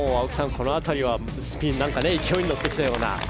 この辺りはスピースが勢いに乗ってきたような。